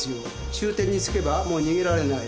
終点に着けばもう逃げられない。